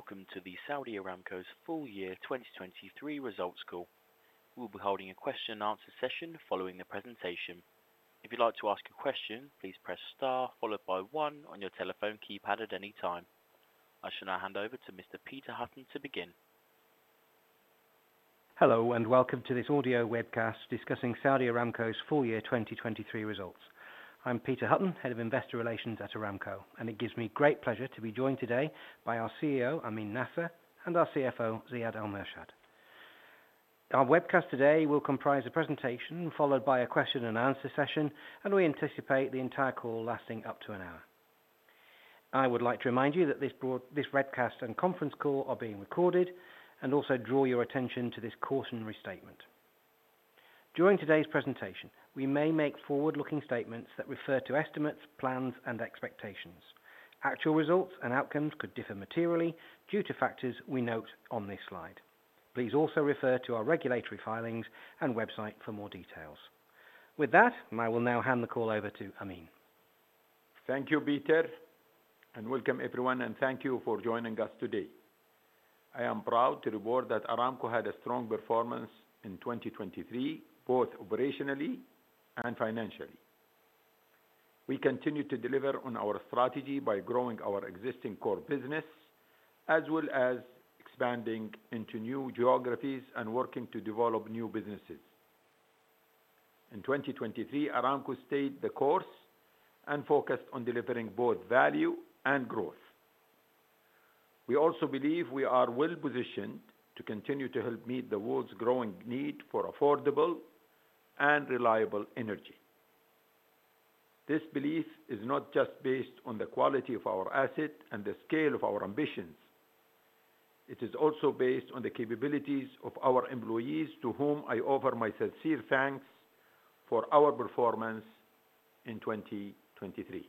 Welcome to the Saudi Aramco's full year 2023 results call. We'll be holding a question and answer session following the presentation. If you'd like to ask a question, please press star, followed by one on your telephone keypad at any time. I shall now hand over to Mr. Peter Hutton to begin. Hello, and welcome to this audio webcast discussing Saudi Aramco's full year 2023 results. I'm Peter Hutton, Head of Investor Relations at Aramco, and it gives me great pleasure to be joined today by our CEO, Amin Nasser, and our CFO, Ziad Al-Murshed. Our webcast today will comprise a presentation, followed by a question and answer session, and we anticipate the entire call lasting up to an hour. I would like to remind you that this webcast and conference call are being recorded, and also draw your attention to this cautionary statement. During today's presentation, we may make forward-looking statements that refer to estimates, plans, and expectations. Actual results and outcomes could differ materially due to factors we note on this slide. Please also refer to our regulatory filings and website for more details. With that, I will now hand the call over to Amin. Thank you, Peter, and welcome everyone, and thank you for joining us today. I am proud to report that Aramco had a strong performance in 2023, both operationally and financially. We continued to deliver on our strategy by growing our existing core business, as well as expanding into new geographies and working to develop new businesses. In 2023, Aramco stayed the course and focused on delivering both value and growth. We also believe we are well-positioned to continue to help meet the world's growing need for affordable and reliable energy. This belief is not just based on the quality of our assets and the scale of our ambitions, it is also based on the capabilities of our employees, to whom I offer my sincere thanks for our performance in 2023.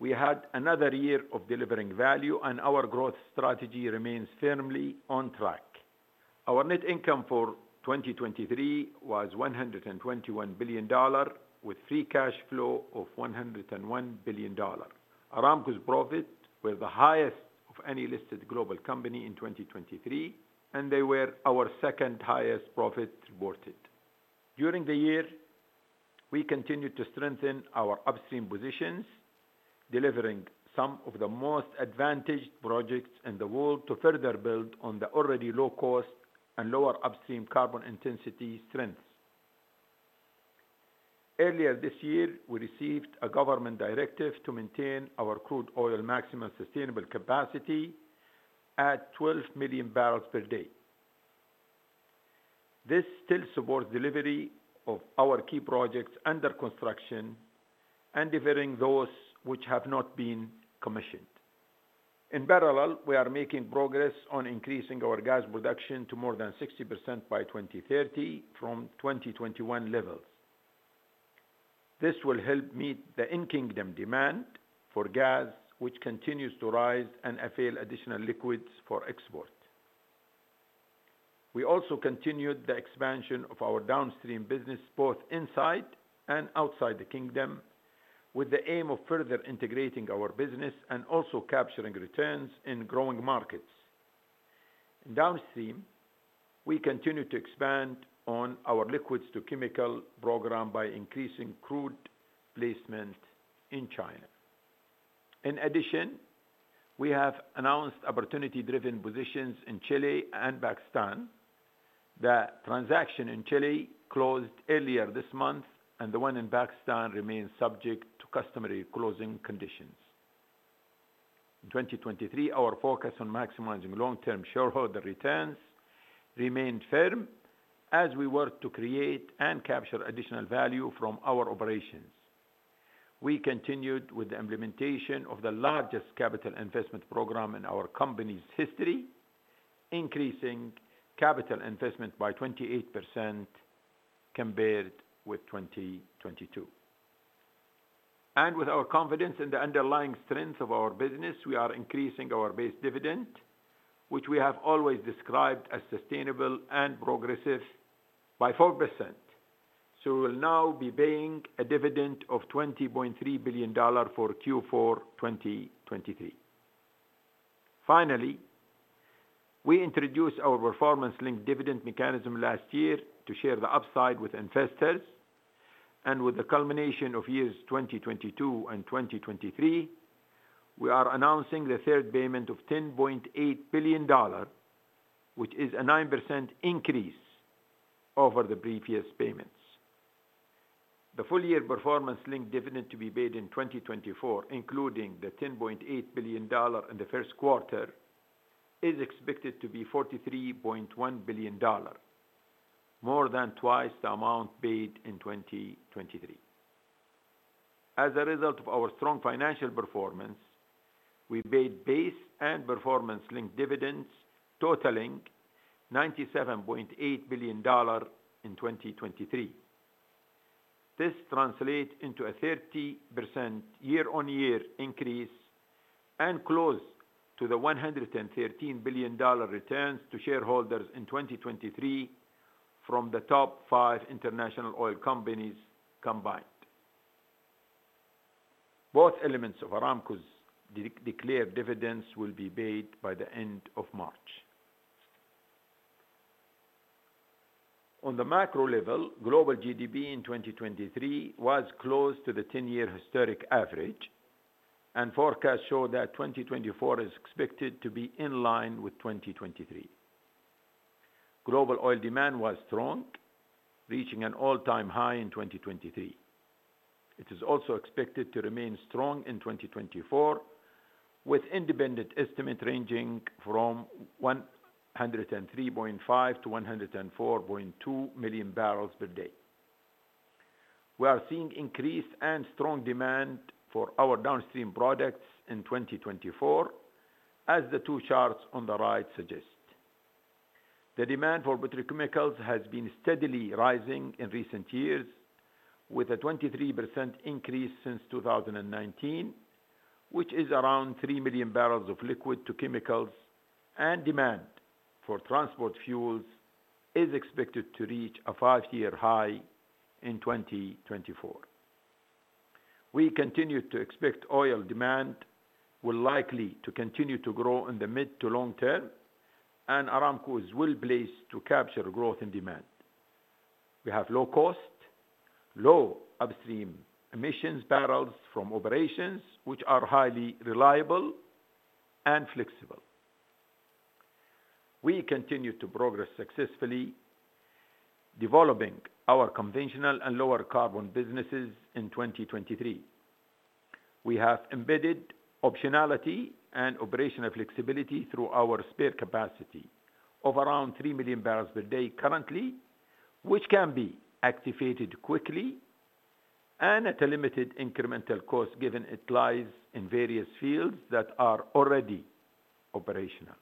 We had another year of delivering value, and our growth strategy remains firmly on track. Our net income for 2023 was $121 billion, with free cash flow of $101 billion. Aramco's profit were the highest of any listed global company in 2023, and they were our second-highest profit reported. During the year, we continued to strengthen our upstream positions, delivering some of the most advantaged projects in the world to further build on the already low cost and lower upstream carbon intensity strengths. Earlier this year, we received a government directive to maintain our crude oil maximum sustainable capacity at 12 million barrels per day. This still supports delivery of our key projects under construction and delivering those which have not been commissioned. In parallel, we are making progress on increasing our gas production to more than 60% by 2030 from 2021 levels. This will help meet the in-Kingdom demand for gas, which continues to rise and avail additional liquids for export. We also continued the expansion of our downstream business, both inside and outside the Kingdom, with the aim of further integrating our business and also capturing returns in growing markets. In downstream, we continue to expand on our liquids-to-chemical program by increasing crude placement in China. In addition, we have announced opportunity-driven positions in Chile and Pakistan. The transaction in Chile closed earlier this month, and the one in Pakistan remains subject to customary closing conditions. In 2023, our focus on maximizing long-term shareholder returns remained firm as we worked to create and capture additional value from our operations. We continued with the implementation of the largest capital investment program in our company's history, increasing capital investment by 28% compared with 2022. With our confidence in the underlying strength of our business, we are increasing our base dividend, which we have always described as sustainable and progressive, by 4%. We will now be paying a dividend of $20.3 billion for Q4 2023. Finally, we introduced our performance-linked dividend mechanism last year to share the upside with investors. With the culmination of years 2022 and 2023, we are announcing the third payment of $10.8 billion, which is a 9% increase over the previous payments. The full year performance-linked dividend to be paid in 2024, including the $10.8 billion in the first quarter, is expected to be $43.1 billion, more than twice the amount paid in 2023. As a result of our strong financial performance, we paid base and performance-linked dividends totaling $97.8 billion in 2023. This translates into a 30% year-on-year increase and close to the $113 billion returns to shareholders in 2023 from the top five international oil companies combined. Both elements of Aramco's declared dividends will be paid by the end of March. On the macro level, global GDP in 2023 was close to the ten-year historic average, and forecasts show that 2024 is expected to be in line with 2023. Global oil demand was strong, reaching an all-time high in 2023. It is also expected to remain strong in 2024, with independent estimate ranging from 103.5-104.2 million barrels per day. We are seeing increased and strong demand for our downstream products in 2024, as the two charts on the right suggest. The demand for petrochemicals has been steadily rising in recent years, with a 23% increase since 2019, which is around 3 million barrels of liquid to chemicals, and demand for transport fuels is expected to reach a 5-year high in 2024. We continue to expect oil demand will likely to continue to grow in the mid to long term, and Aramco is well-placed to capture growth in demand. We have low cost, low upstream emissions barrels from operations which are highly reliable and flexible. We continued to progress successfully, developing our conventional and lower carbon businesses in 2023. We have embedded optionality and operational flexibility through our spare capacity of around 3 million barrels per day currently, which can be activated quickly and at a limited incremental cost, given it lies in various fields that are already operational.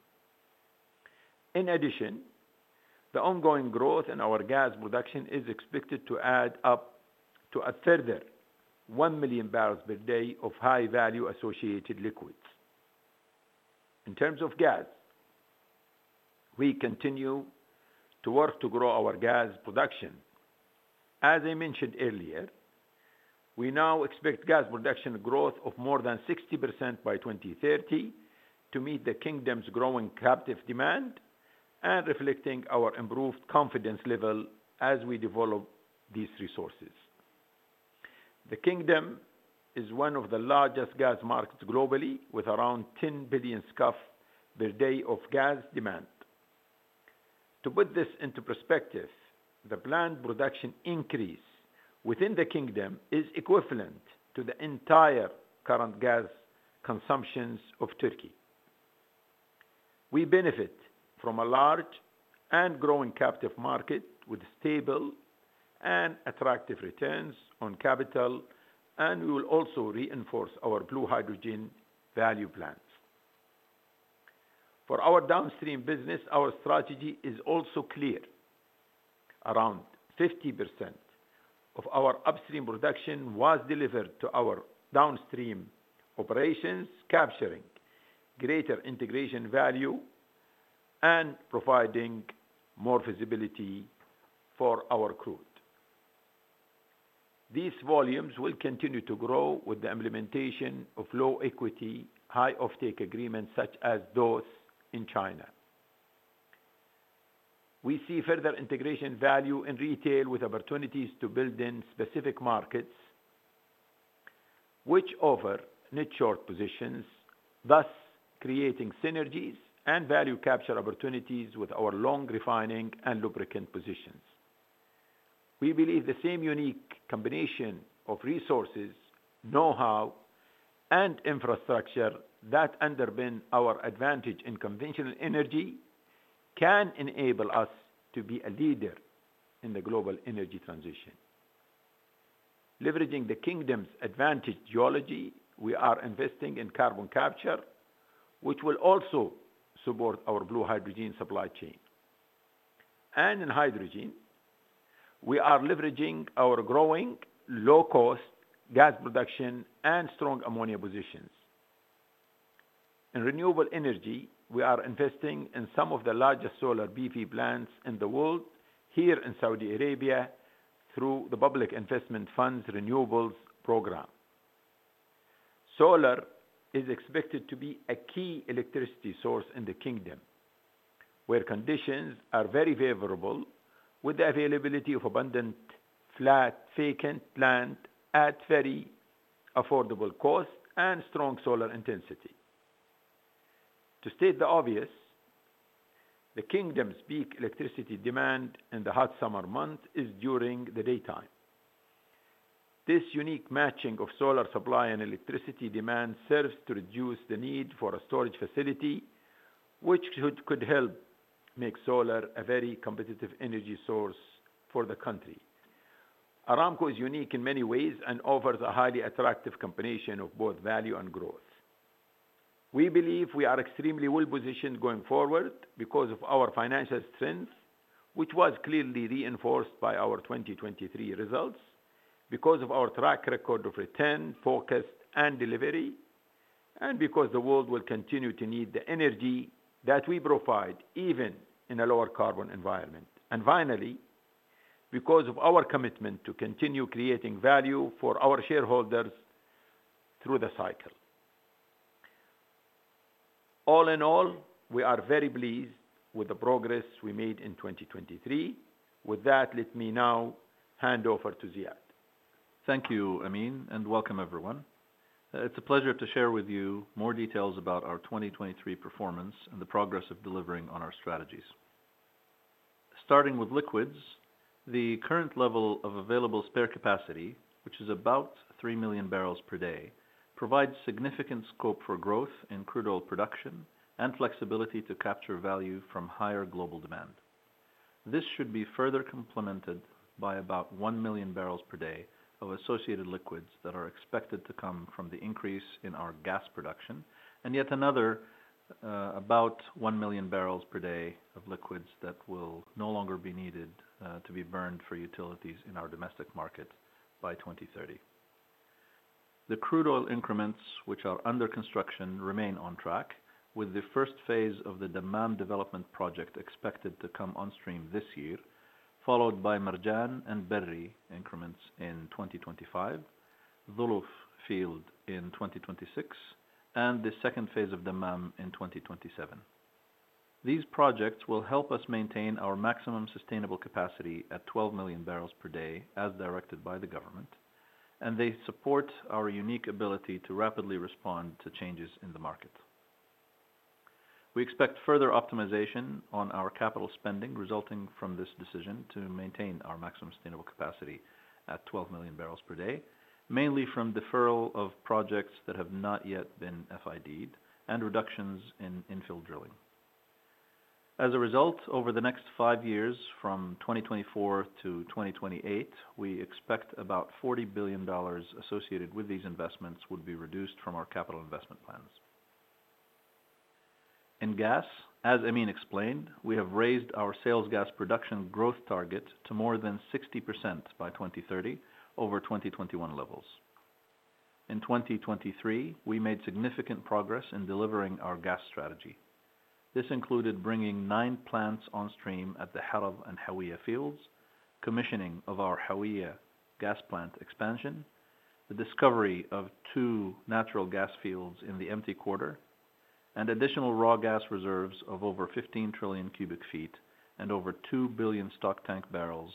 In addition, the ongoing growth in our gas production is expected to add up to a further 1 million barrels per day of high-value associated liquids. In terms of gas, we continue to work to grow our gas production. As I mentioned earlier, we now expect gas production growth of more than 60% by 2030 to meet the Kingdom's growing captive demand and reflecting our improved confidence level as we develop these resources. The Kingdom is one of the largest gas markets globally, with around 10 billion scf per day of gas demand. To put this into perspective, the planned production increase within the Kingdom is equivalent to the entire current gas consumptions of Turkey. We benefit from a large and growing captive market with stable and attractive returns on capital, and we will also reinforce our blue hydrogen value plans. For our downstream business, our strategy is also clear. Around 50% of our upstream production was delivered to our downstream operations, capturing greater integration value and providing more visibility for our crude. These volumes will continue to grow with the implementation of low equity, high offtake agreements such as those in China. We see further integration value in retail with opportunities to build in specific markets, which offer net short positions, thus creating synergies and value capture opportunities with our long refining and lubricant positions. We believe the same unique combination of resources, know-how, and infrastructure that underpin our advantage in conventional energy can enable us to be a leader in the global energy transition. Leveraging the Kingdom's advantageous geology, we are investing in carbon capture, which will also support our blue hydrogen supply chain. And in hydrogen, we are leveraging our growing low-cost gas production and strong ammonia positions. In renewable energy, we are investing in some of the largest solar PV plants in the world here in Saudi Arabia through the Public Investment Fund's Renewables Program. Solar is expected to be a key electricity source in the Kingdom, where conditions are very favorable, with the availability of abundant, flat, vacant land at very affordable cost and strong solar intensity. To state the obvious, the Kingdom's peak electricity demand in the hot summer months is during the daytime. This unique matching of solar supply and electricity demand serves to reduce the need for a storage facility, which could help make solar a very competitive energy source for the country. Aramco is unique in many ways and offers a highly attractive combination of both value and growth. We believe we are extremely well-positioned going forward because of our financial strength, which was clearly reinforced by our 2023 results, because of our track record of return, focus, and delivery... and because the world will continue to need the energy that we provide, even in a lower carbon environment. And finally, because of our commitment to continue creating value for our shareholders through the cycle. All in all, we are very pleased with the progress we made in 2023. With that, let me now hand over to Ziad. Thank you, Amin, and welcome, everyone. It's a pleasure to share with you more details about our 2023 performance and the progress of delivering on our strategies. Starting with liquids, the current level of available spare capacity, which is about 3 million barrels per day, provides significant scope for growth in crude oil production and flexibility to capture value from higher global demand. This should be further complemented by about 1 million barrels per day of associated liquids that are expected to come from the increase in our gas production, and yet another, about 1 million barrels per day of liquids that will no longer be needed, to be burned for utilities in our domestic market by 2030. The crude oil increments, which are under construction, remain on track, with the first phase of the Dammam development project expected to come onstream this year, followed by Marjan and Berri increments in 2025, Zuluf field in 2026, and the second phase of Dammam in 2027. These projects will help us maintain our maximum sustainable capacity at 12 million barrels per day, as directed by the government, and they support our unique ability to rapidly respond to changes in the market. We expect further optimization on our capital spending, resulting from this decision to maintain our maximum sustainable capacity at 12 million barrels per day, mainly from deferral of projects that have not yet been FID-ed and reductions in infill drilling. As a result, over the next five years, from 2024 to 2028, we expect about $40 billion associated with these investments would be reduced from our capital investment plans. In gas, as Amin explained, we have raised our sales gas production growth target to more than 60% by 2030 over 2021 levels. In 2023, we made significant progress in delivering our gas strategy. This included bringing 9 plants onstream at the Haradh and Hawiyah fields, commissioning of our Hawiyah gas plant expansion, the discovery of two natural gas fields in the Empty Quarter, and additional raw gas reserves of over 15 trillion cubic feet and over 2 billion stock tank barrels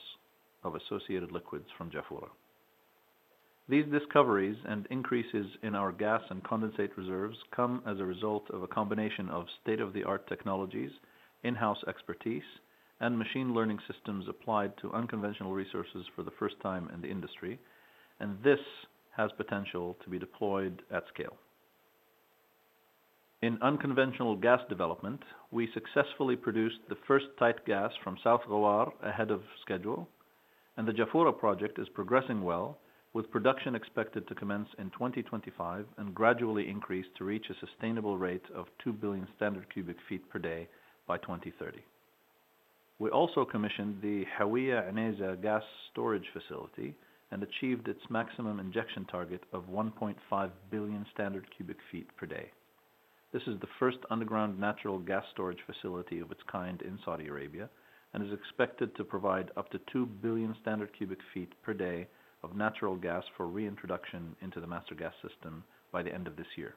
of associated liquids from Jafurah. These discoveries and increases in our gas and condensate reserves come as a result of a combination of state-of-the-art technologies, in-house expertise, and machine learning systems applied to unconventional resources for the first time in the industry, and this has potential to be deployed at scale. In unconventional gas development, we successfully produced the first tight gas from South Ghawar ahead of schedule, and the Jafurah project is progressing well, with production expected to commence in 2025 and gradually increase to reach a sustainable rate of 2 billion standard cubic feet per day by 2030. We also commissioned the Hawiyah Unayzah gas storage facility and achieved its maximum injection target of 1.5 billion standard cubic feet per day. This is the first underground natural gas storage facility of its kind in Saudi Arabia and is expected to provide up to 2 billion standard cubic feet per day of natural gas for reintroduction into the Master Gas System by the end of this year.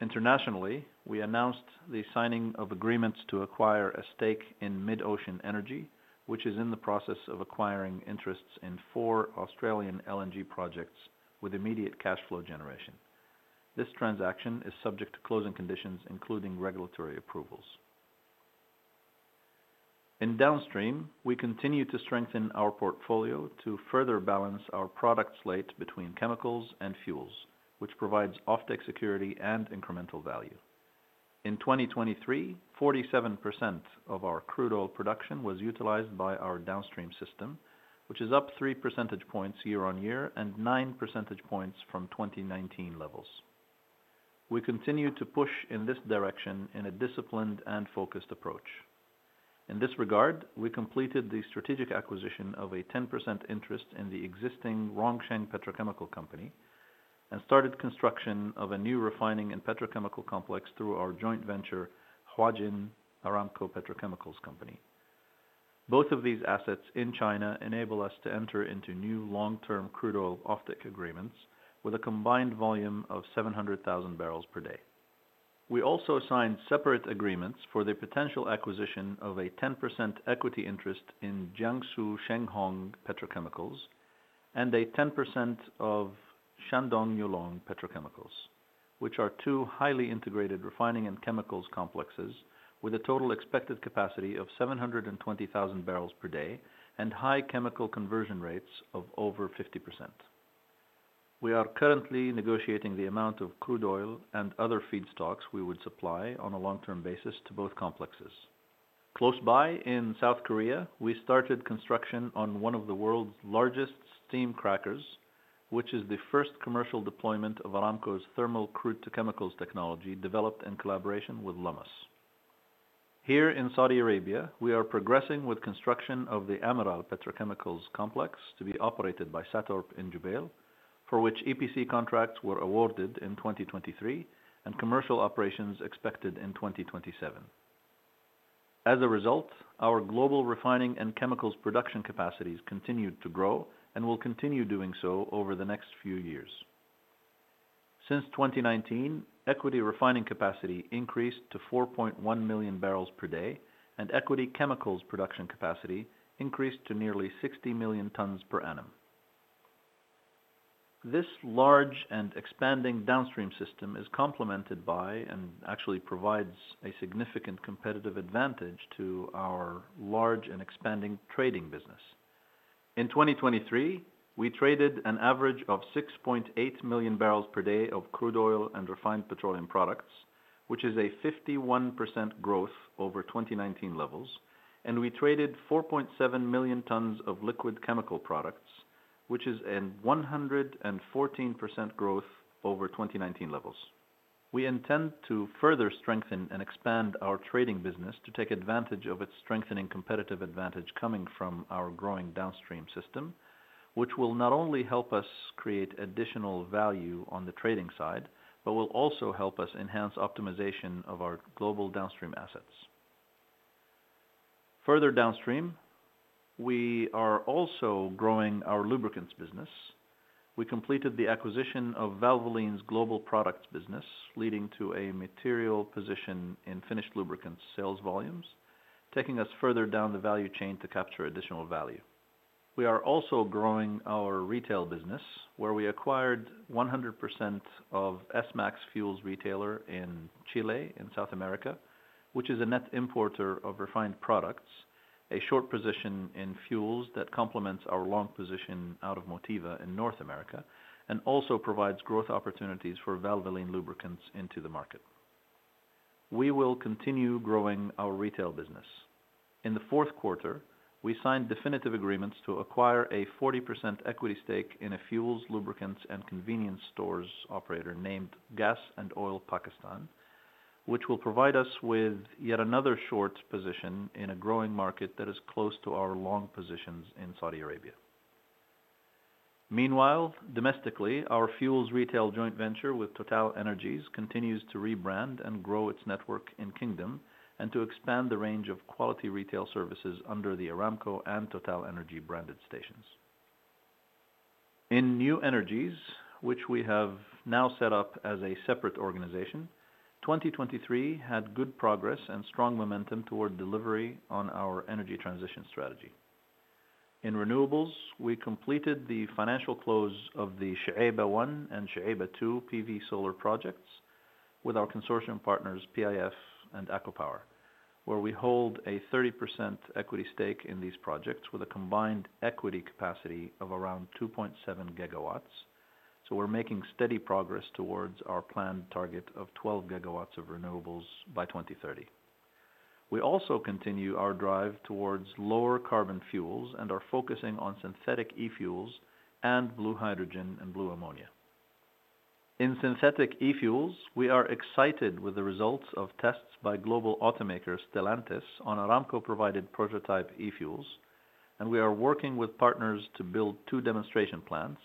Internationally, we announced the signing of agreements to acquire a stake in MidOcean Energy, which is in the process of acquiring interests in four Australian LNG projects with immediate cash flow generation. This transaction is subject to closing conditions, including regulatory approvals. In downstream, we continue to strengthen our portfolio to further balance our product slate between chemicals and fuels, which provides offtake security and incremental value. In 2023, 47% of our crude oil production was utilized by our downstream system, which is up 3 percentage points year-on-year and 9 percentage points from 2019 levels. We continue to push in this direction in a disciplined and focused approach. In this regard, we completed the strategic acquisition of a 10% interest in the existing Rongsheng Petrochemical Company and started construction of a new refining and petrochemical complex through our joint venture, Huajin Aramco Petrochemicals Company. Both of these assets in China enable us to enter into new long-term crude oil offtake agreements with a combined volume of 700,000 barrels per day. We also signed separate agreements for the potential acquisition of a 10% equity interest in Jiangsu Shenghong Petrochemicals and a 10% of Shandong Yulong Petrochemicals, which are two highly integrated refining and chemicals complexes with a total expected capacity of 720,000 barrels per day and high chemical conversion rates of over 50%. We are currently negotiating the amount of crude oil and other feedstocks we would supply on a long-term basis to both complexes. Close by, in South Korea, we started construction on one of the world's largest steam crackers, which is the first commercial deployment of Aramco's thermal crude to chemicals technology, developed in collaboration with Lummus. Here in Saudi Arabia, we are progressing with construction of the Amiral Petrochemicals Complex to be operated by SATORP in Jubail, for which EPC contracts were awarded in 2023, and commercial operations expected in 2027. As a result, our global refining and chemicals production capacities continued to grow and will continue doing so over the next few years. Since 2019, equity refining capacity increased to 4.1 million barrels per day, and equity chemicals production capacity increased to nearly 60 million tons per annum. This large and expanding downstream system is complemented by, and actually provides a significant competitive advantage to our large and expanding trading business. In 2023, we traded an average of 6.8 million barrels per day of crude oil and refined petroleum products, which is a 51% growth over 2019 levels, and we traded 4.7 million tons of liquid chemical products, which is an 114% growth over 2019 levels. We intend to further strengthen and expand our trading business to take advantage of its strengthening competitive advantage coming from our growing downstream system, which will not only help us create additional value on the trading side, but will also help us enhance optimization of our global downstream assets. Further downstream, we are also growing our lubricants business. We completed the acquisition of Valvoline's global products business, leading to a material position in finished lubricants sales volumes, taking us further down the value chain to capture additional value. We are also growing our retail business, where we acquired 100% of Esmax Fuels retailer in Chile, in South America, which is a net importer of refined products, a short position in fuels that complements our long position out of Motiva in North America, and also provides growth opportunities for Valvoline lubricants into the market. We will continue growing our retail business. In the fourth quarter, we signed definitive agreements to acquire a 40% equity stake in a fuels, lubricants, and convenience stores operator named Gas & Oil Pakistan, which will provide us with yet another short position in a growing market that is close to our long positions in Saudi Arabia. Meanwhile, domestically, our fuels retail joint venture with TotalEnergies continues to rebrand and grow its network in Kingdom and to expand the range of quality retail services under the Aramco and TotalEnergies branded stations. In new energies, which we have now set up as a separate organization, 2023 had good progress and strong momentum toward delivery on our energy transition strategy. In renewables, we completed the financial close of the Al Shuaibah 1 and Al Shuaibah 2 PV solar projects with our consortium partners, PIF and ACWA Power, where we hold a 30% equity stake in these projects with a combined equity capacity of around 2.7 gigawatts. So we're making steady progress towards our planned target of 12 gigawatts of renewables by 2030. We also continue our drive towards lower carbon fuels and are focusing on synthetic e-fuels and blue hydrogen and blue ammonia. In synthetic e-fuels, we are excited with the results of tests by global automaker Stellantis on Aramco-provided prototype e-fuels, and we are working with partners to build two demonstration plants,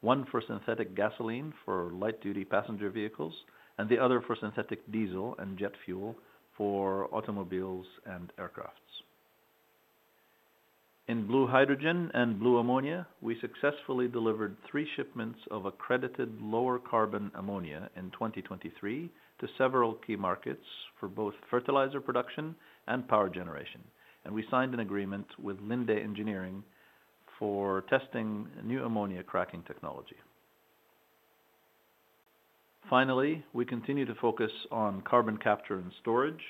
one for synthetic gasoline for light-duty passenger vehicles, and the other for synthetic diesel and jet fuel for automobiles and aircraft. In blue hydrogen and blue ammonia, we successfully delivered three shipments of accredited lower carbon ammonia in 2023 to several key markets for both fertilizer production and power generation, and we signed an agreement with Linde Engineering for testing new ammonia cracking technology. Finally, we continue to focus on carbon capture and storage,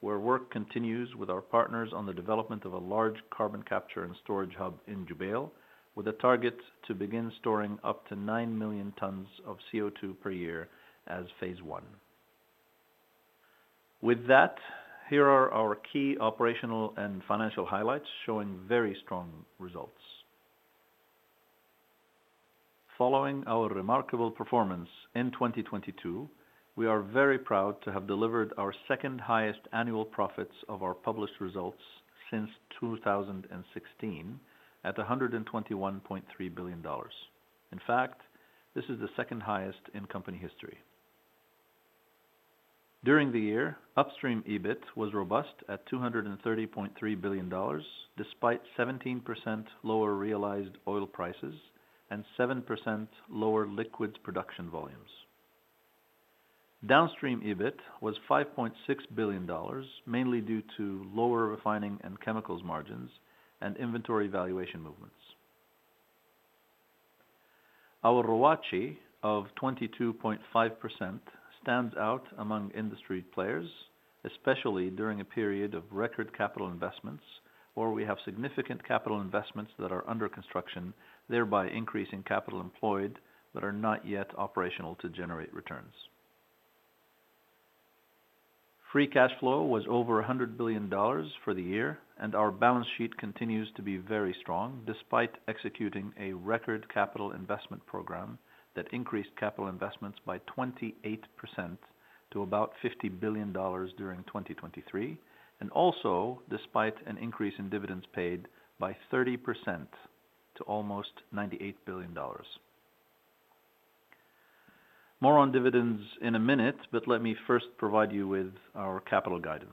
where work continues with our partners on the development of a large carbon capture and storage hub in Jubail, with a target to begin storing up to 9 million tons of CO2 per year as phase one. With that, here are our key operational and financial highlights, showing very strong results. Following our remarkable performance in 2022, we are very proud to have delivered our second-highest annual profits of our published results since 2016, at $121.3 billion. In fact, this is the second highest in company history. During the year, upstream EBIT was robust at $230.3 billion, despite 17% lower realized oil prices and 7% lower liquids production volumes. Downstream EBIT was $5.6 billion, mainly due to lower refining and chemicals margins and inventory valuation movements. Our ROACE of 22.5% stands out among industry players, especially during a period of record capital investments, where we have significant capital investments that are under construction, thereby increasing capital employed that are not yet operational to generate returns. Free cash flow was over $100 billion for the year, and our balance sheet continues to be very strong, despite executing a record capital investment program that increased capital investments by 28% to about $50 billion during 2023, and also despite an increase in dividends paid by 30% to almost $98 billion. More on dividends in a minute, but let me first provide you with our capital guidance.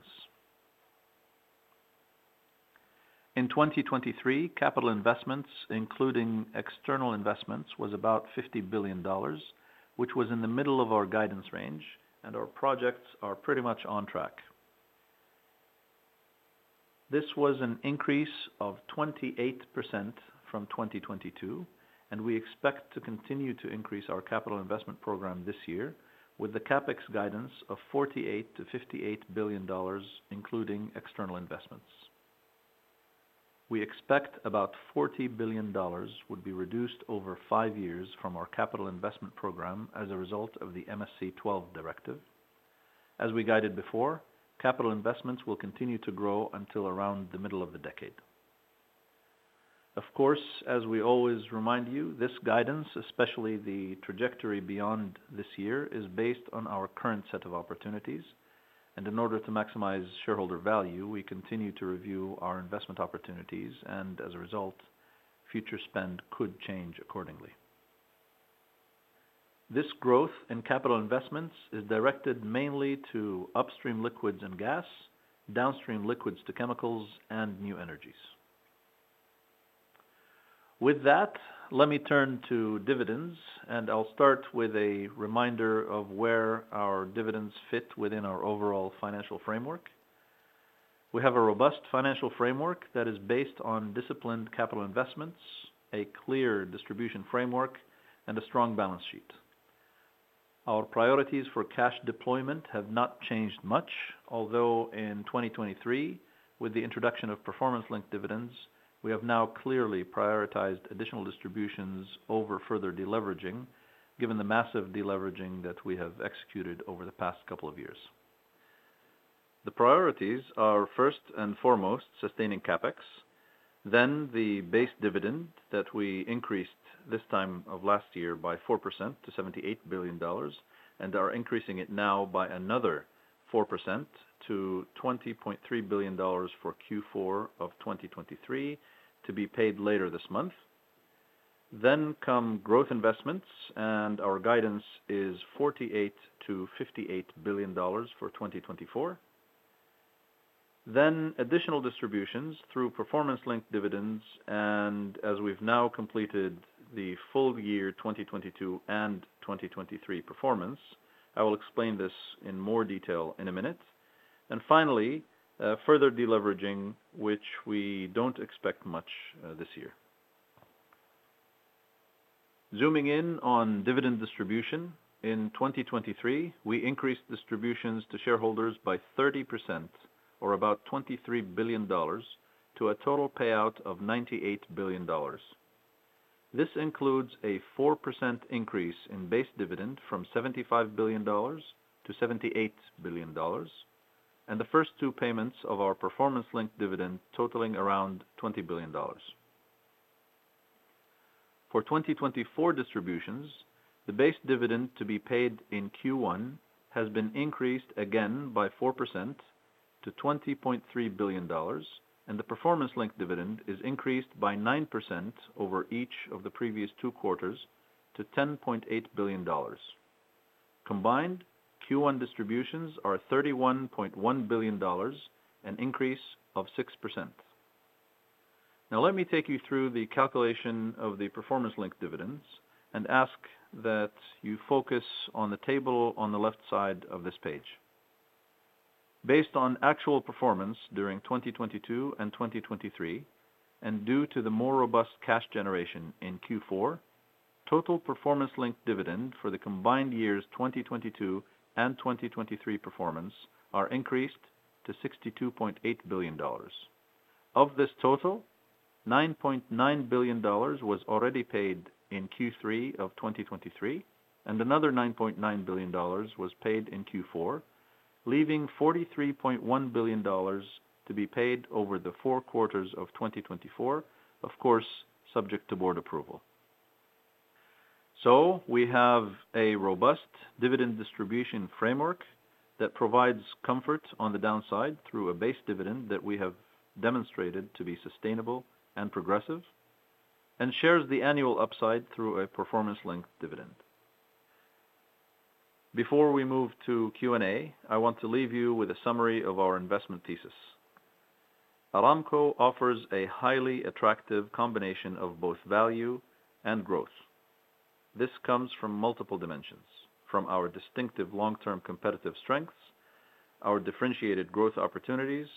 In 2023, capital investments, including external investments, was about $50 billion, which was in the middle of our guidance range, and our projects are pretty much on track. This was an increase of 28% from 2022, and we expect to continue to increase our capital investment program this year with the CapEx guidance of $48 billion-$58 billion, including external investments. We expect about $40 billion would be reduced over five years from our capital investment program as a result of the MSC 12 directive. As we guided before, capital investments will continue to grow until around the middle of the decade. Of course, as we always remind you, this guidance, especially the trajectory beyond this year, is based on our current set of opportunities, and in order to maximize shareholder value, we continue to review our investment opportunities, and as a result, future spend could change accordingly. This growth in capital investments is directed mainly to upstream liquids and gas, downstream liquids to chemicals, and new energies. With that, let me turn to dividends, and I'll start with a reminder of where our dividends fit within our overall financial framework. We have a robust financial framework that is based on disciplined capital investments, a clear distribution framework, and a strong balance sheet. Our priorities for cash deployment have not changed much, although in 2023, with the introduction of performance-linked dividends, we have now clearly prioritized additional distributions over further deleveraging, given the massive deleveraging that we have executed over the past couple of years. The priorities are, first and foremost, sustaining CapEx, then the base dividend that we increased this time of last year by 4% to $78 billion, and are increasing it now by another 4% to $20.3 billion for Q4 of 2023, to be paid later this month. Then come growth investments, and our guidance is $48 billion-$58 billion for 2024. Then additional distributions through performance-linked dividends, and as we've now completed the full year 2022 and 2023 performance, I will explain this in more detail in a minute. And finally, further deleveraging, which we don't expect much, this year. Zooming in on dividend distribution, in 2023, we increased distributions to shareholders by 30%, or about $23 billion, to a total payout of $98 billion. This includes a 4% increase in base dividend from $75 billion to $78 billion, and the first two payments of our performance-linked dividend totaling around $20 billion. For 2024 distributions, the base dividend to be paid in Q1 has been increased again by 4% to $20.3 billion, and the performance-linked dividend is increased by 9% over each of the previous two quarters to $10.8 billion. Combined, Q1 distributions are $31.1 billion, an increase of 6%. Now, let me take you through the calculation of the performance-linked dividends and ask that you focus on the table on the left side of this page. Based on actual performance during 2022 and 2023, and due to the more robust cash generation in Q4, total performance-linked dividend for the combined years 2022 and 2023 performance are increased to $62.8 billion. Of this total, $9.9 billion was already paid in Q3 of 2023, and another $9.9 billion was paid in Q4, leaving $43.1 billion to be paid over the four quarters of 2024, of course, subject to board approval. So we have a robust dividend distribution framework that provides comfort on the downside through a base dividend that we have demonstrated to be sustainable and progressive, and shares the annual upside through a performance-linked dividend. Before we move to Q&A, I want to leave you with a summary of our investment thesis. Aramco offers a highly attractive combination of both value and growth. This comes from multiple dimensions, from our distinctive long-term competitive strengths, our differentiated growth opportunities,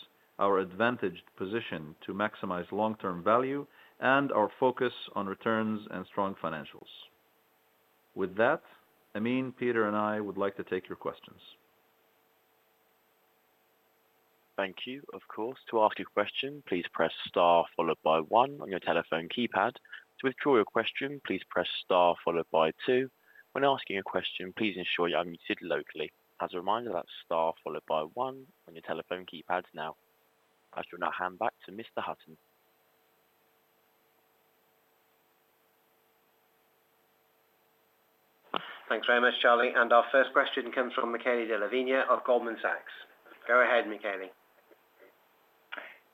our advantaged position to maximize long-term value, and our focus on returns and strong financials. With that, Amin, Peter, and I would like to take your questions. Thank you. Of course, to ask a question, please press star followed by one on your telephone keypad. To withdraw your question, please press star followed by two. When asking a question, please ensure you are unmuted locally. As a reminder, that's star followed by one on your telephone keypad now. I shall now hand back to Mr. Hutton. ...Thanks very much, Charlie. Our first question comes from Michele Della Vigna of Goldman Sachs. Go ahead, Michele.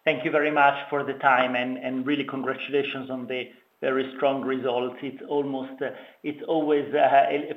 Thank you very much for the time, and really congratulations on the very strong results. It's almost... It's always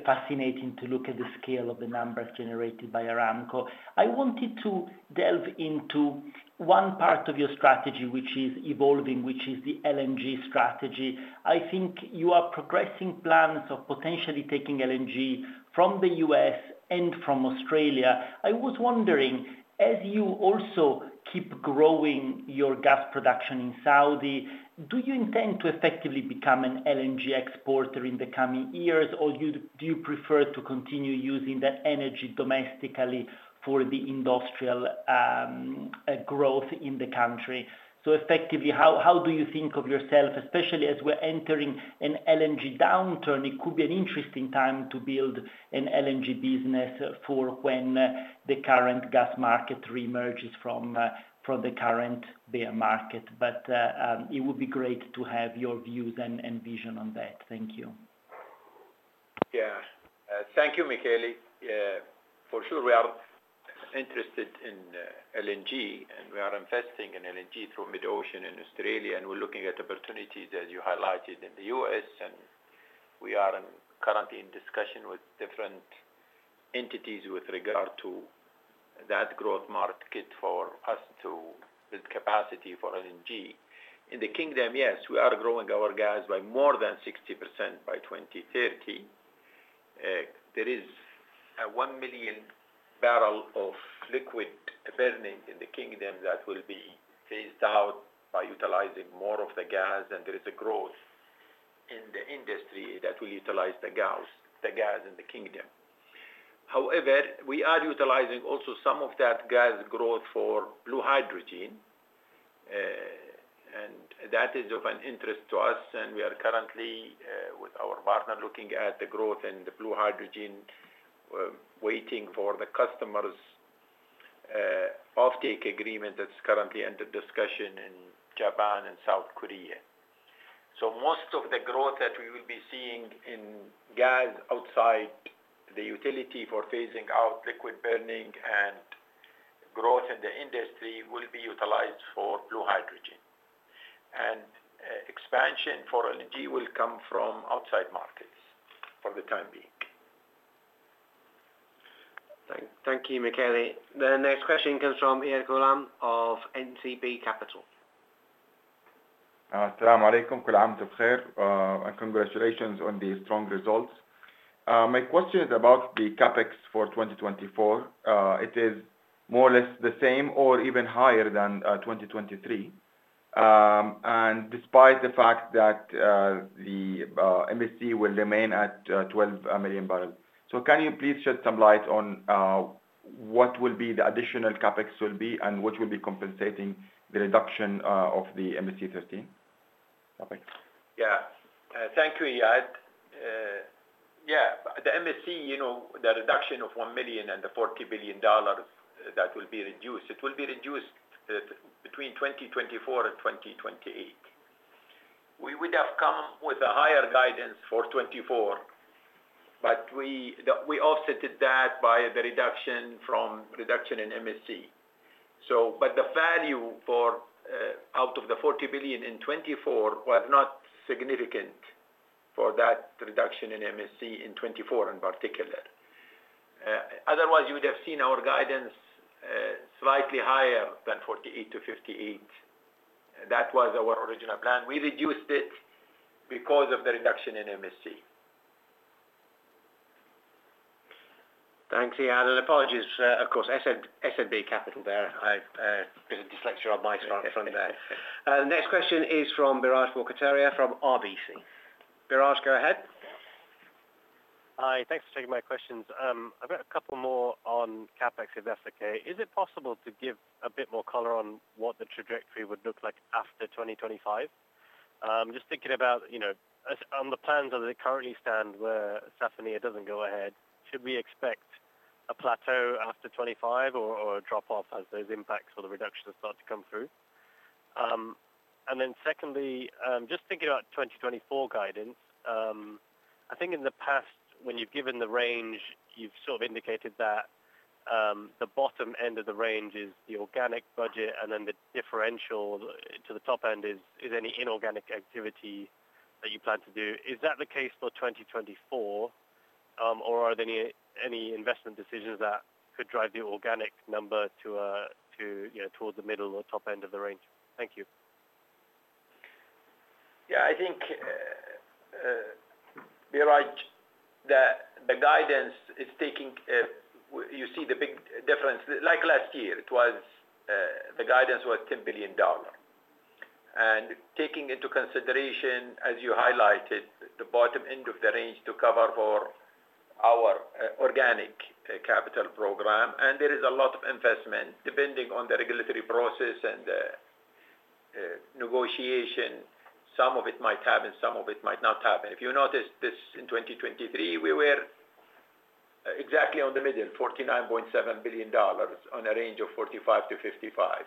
fascinating to look at the scale of the numbers generated by Aramco. I wanted to delve into one part of your strategy, which is evolving, which is the LNG strategy. I think you are progressing plans of potentially taking LNG from the U.S. and from Australia. I was wondering, as you also keep growing your gas production in Saudi, do you intend to effectively become an LNG exporter in the coming years, or do you prefer to continue using that energy domestically for the industrial growth in the country? So effectively, how do you think of yourself, especially as we're entering an LNG downturn? It could be an interesting time to build an LNG business for when the current gas market reemerges from the current bear market. But, it would be great to have your views and vision on that. Thank you. Yeah. Thank you, Michele. For sure, we are interested in LNG, and we are investing in LNG through MidOcean and Australia, and we're looking at opportunities, as you highlighted, in the US, and we are currently in discussion with different entities with regard to that growth market for us to build capacity for LNG. In the kingdom, yes, we are growing our gas by more than 60% by 2030. There is a 1 million barrel of liquid burning in the kingdom that will be phased out by utilizing more of the gas, and there is a growth in the industry that will utilize the gas, the gas in the kingdom. However, we are utilizing also some of that gas growth for blue hydrogen, and that is of an interest to us, and we are currently, with our partner, looking at the growth and the blue hydrogen, waiting for the customer's, offtake agreement that's currently under discussion in Japan and South Korea. So most of the growth that we will be seeing in gas outside the utility for phasing out liquid burning and growth in the industry will be utilized for blue hydrogen. And, expansion for LNG will come from outside markets for the time being. Thank you, Michele. The next question comes from Iyad Gholam of NCB Capital. Congratulations on the strong results. My question is about the CapEx for 2024. It is more or less the same or even higher than 2023. Despite the fact that the MSC will remain at 12 million barrels. So can you please shed some light on what will be the additional CapEx will be, and which will be compensating the reduction of the MSC 13? CapEx. Yeah. Thank you, Iyad. Yeah, the MSC, you know, the reduction of 1 million and the $40 billion that will be reduced, it will be reduced between 2024 and 2028. We would have come with a higher guidance for 2024, but we, we offsetted that by the reduction from reduction in MSC. So, but the value for out of the $40 billion in 2024 was not significant for that reduction in MSC in 2024 in particular. Otherwise, you would have seen our guidance slightly higher than $48-$58 billion. That was our original plan. We reduced it because of the reduction in MSC. Thanks, Iyad, and apologies, of course, I said NCB Capital there. I bit of dyslexia on my front there. Next question is from Biraj Borkhataria from RBC. Biraj, go ahead. Hi, thanks for taking my questions. I've got a couple more on CapEx, if that's okay. Is it possible to give a bit more color on what the trajectory would look like after 2025? Just thinking about, you know, as on the plans as they currently stand, where Safaniya doesn't go ahead, should we expect a plateau after 25 or a drop-off as those impacts or the reductions start to come through? And then secondly, just thinking about 2024 guidance, I think in the past, when you've given the range, you've sort of indicated that the bottom end of the range is the organic budget, and then the differential to the top end is any inorganic activity that you plan to do. Is that the case for 2024, or are there any investment decisions that could drive the organic number to, you know, towards the middle or top end of the range? Thank you. Yeah, I think, Biraj, the guidance is taking... You see the big difference. Like last year, it was, the guidance was $10 billion. And taking into consideration, as you highlighted, the bottom end of the range to cover for our organic capital program, and there is a lot of investment, depending on the regulatory process and negotiation. Some of it might happen, some of it might not happen. If you noticed this in 2023, we were exactly on the middle, $49.7 billion on a range of $45 billion-$55 billion.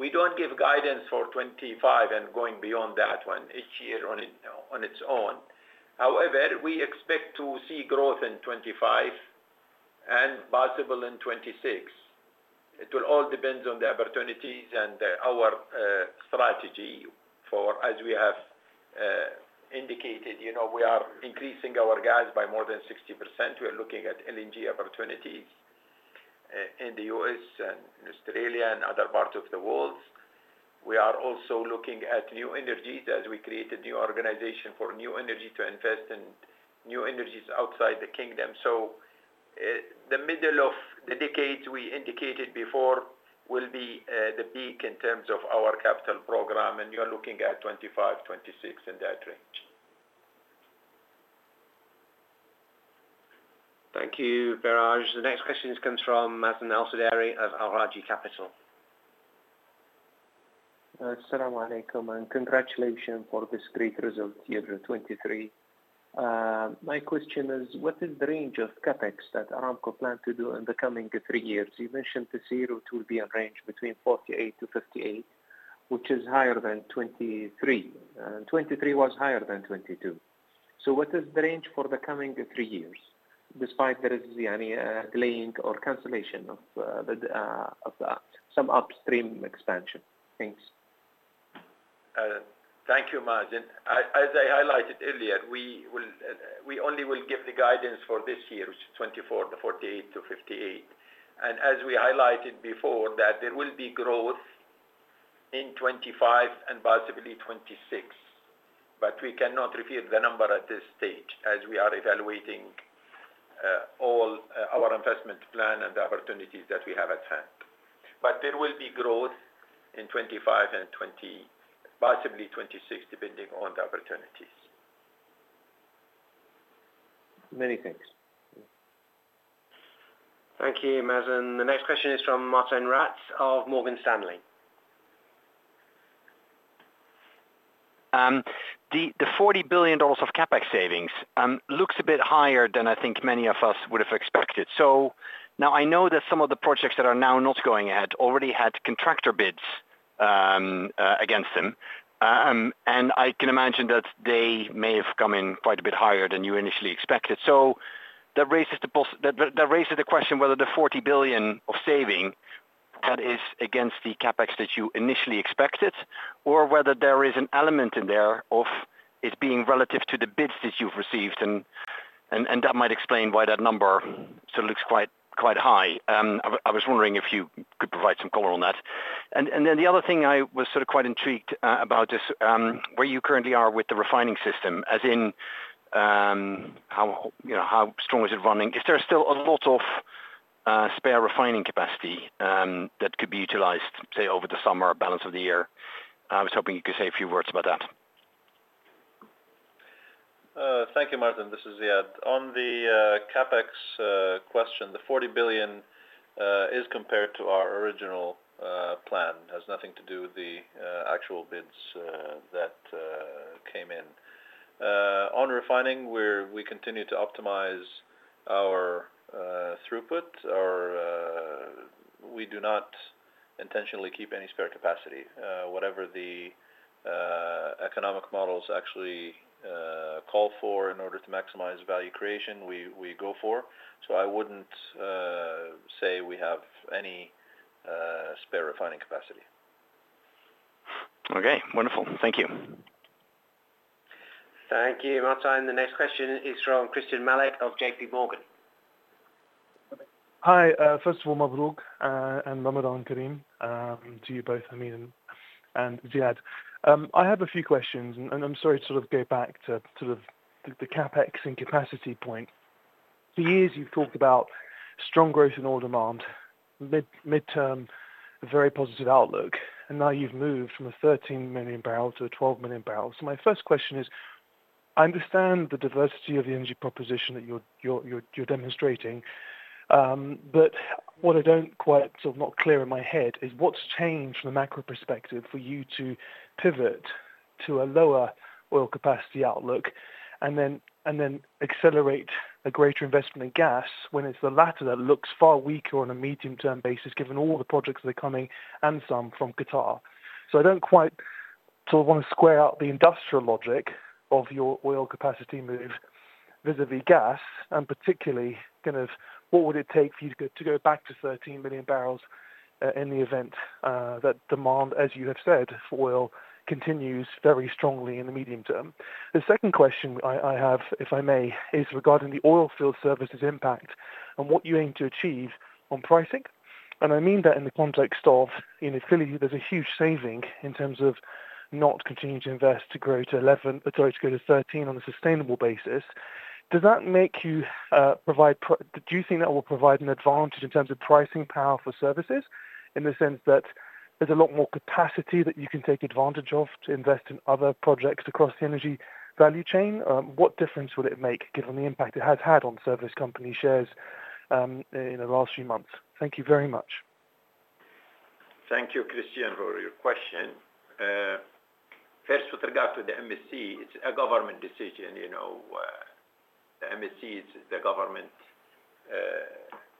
We don't give guidance for 2025 and going beyond that one, each year on it, on its own. However, we expect to see growth in 2025 and possible in 2026. It will all depend on the opportunities and our strategy for as we have indicated, you know, we are increasing our gas by more than 60%. We are looking at LNG opportunities in the U.S. and in Australia and other parts of the world. We are also looking at new energies as we create a new organization for new energy to invest in new energies outside the kingdom. So, the middle of the decade, we indicated before, will be the peak in terms of our capital program, and you are looking at 2025-2026 in that range. Thank you, Biraj. The next question comes from Mazin Al-Sudairi of Al Rajhi Capital. As-salamu alaykum, and congratulations for this great result, 2023. My question is, what is the range of CapEx that Aramco plan to do in the coming three years? You mentioned the '24 to be a range between $48-$58, which is higher than $23, and $23 was higher than $22. So what is the range for the coming three years, despite there is any delaying or cancellation of the some upstream expansion? Thanks. Thank you, Mazin. As I highlighted earlier, we will, we only will give the guidance for this year, which is 2024, the $48-$58. And as we highlighted before, that there will be growth in 2025 and possibly 2026, but we cannot reveal the number at this stage as we are evaluating all our investment plan and the opportunities that we have at hand. But there will be growth in 2025 and possibly 2026, depending on the opportunities. Many thanks. Thank you, Mazin. The next question is from Martijn Rats of Morgan Stanley. The $40 billion of CapEx savings looks a bit higher than I think many of us would have expected. So now I know that some of the projects that are now not going ahead already had contractor bids against them. And I can imagine that they may have come in quite a bit higher than you initially expected. So that raises the question whether the $40 billion of saving that is against the CapEx that you initially expected, or whether there is an element in there of it being relative to the bids that you've received, and that might explain why that number sort of looks quite high. I was wondering if you could provide some color on that. And then the other thing I was sort of quite intrigued about is where you currently are with the refining system, as in, how, you know, how strong is it running? Is there still a lot of spare refining capacity that could be utilized, say, over the summer or balance of the year? I was hoping you could say a few words about that. Thank you, Martin. This is Ziad. On the CapEx question, the $40 billion is compared to our original plan, has nothing to do with the actual bids that came in. On refining, we continue to optimize our throughput. We do not intentionally keep any spare capacity. Whatever the economic models actually call for in order to maximize value creation, we go for. So I wouldn't say we have any spare refining capacity. Okay, wonderful. Thank you. Thank you, Martin. The next question is from Christian Malek of J.P. Morgan. Hi, first of all, Mabruk, and Ramadan Kareem, to you both, Amin and Ziad. I have a few questions, and I'm sorry to sort of go back to sort of the CapEx and capacity point. For years, you've talked about strong growth in oil demand, midterm, a very positive outlook, and now you've moved from a 13 million barrel to a 12 million barrel. So my first question is, I understand the diversity of the energy proposition that you're demonstrating, but what I don't quite, sort of, not clear in my head is what's changed from a macro perspective for you to pivot to a lower oil capacity outlook and then accelerate a greater investment in gas, when it's the latter that looks far weaker on a medium-term basis, given all the projects that are coming and some from Qatar. So I don't quite sort of want to square out the industrial logic of your oil capacity move vis-a-vis gas, and particularly, kind of, what would it take for you to go back to 13 billion barrels in the event that demand, as you have said, for oil continues very strongly in the medium term? The second question I have, if I may, is regarding the oil field services impact and what you aim to achieve on pricing. And I mean that in the context of, in affiliate, there's a huge saving in terms of not continuing to invest, to grow to 11, sorry, to grow to 13 on a sustainable basis. Does that make you provide, do you think that will provide an advantage in terms of pricing power for services, in the sense that there's a lot more capacity that you can take advantage of to invest in other projects across the energy value chain? What difference will it make, given the impact it has had on service company shares, in the last few months? Thank you very much. Thank you, Christian, for your question. With regard to the MSC, it's a government decision, you know, the MSC is the government,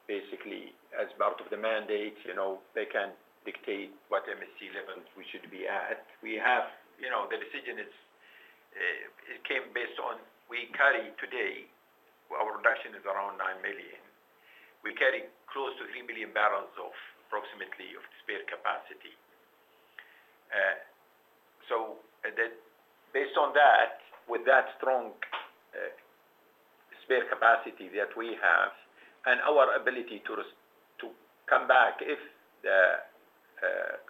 basically, as part of the mandate, you know, they can dictate what MSC levels we should be at. We have, you know, the decision is, it came based on we carry today, our production is around 9 million. We carry close to 3 million barrels of approximately of spare capacity. So the, based on that, with that strong, spare capacity that we have and our ability to come back, if the